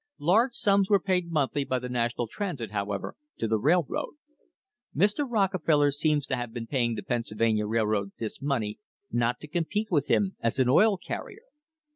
Large sums were paid monthly by the National Transit, however, to the railroad. Mr. Rockefeller seems to have been paying the Pennsylvania Railroad this money not to compete with him as an oil carrier.